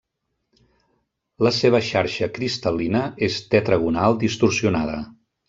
La seva xarxa cristal·lina és tetragonal distorsionada.